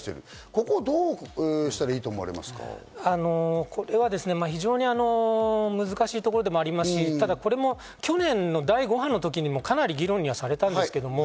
ここをどうしたらいいと思われまこれは非常に難しいところでもありますし、これも去年の第５波の時にもかなり議論されたんですけど。